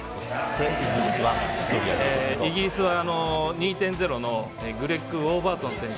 イギリスは２．０のグレッグ・ウォーバートン選手。